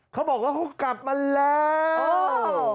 เขาบอกว่าเขากลับมาแล้ว